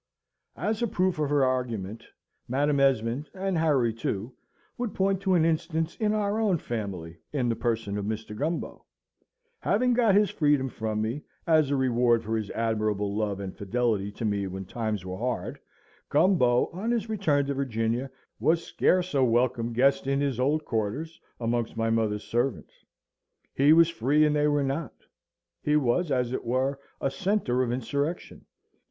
As a proof of her argument, Madam Esmond and Harry too would point to an instance in our own family in the person of Mr. Gumbo. Having got his freedom from me, as a reward for his admirable love and fidelity to me when times were hard, Gumbo, on his return to Virginia, was scarce a welcome guest in his old quarters, amongst my mother's servants. He was free, and they were not: he was, as it were, a centre of insurrection.